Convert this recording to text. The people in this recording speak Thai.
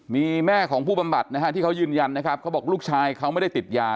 มีแม่ของผู้บำบัดนะฮะที่เขายืนยันนะครับเขาบอกลูกชายเขาไม่ได้ติดยา